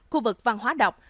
khu vực văn hóa độc